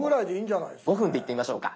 ５分でいってみましょうか。